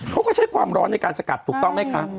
เขาก็ใช้ความร้อนในการสกัดถูกต้องไหมคะ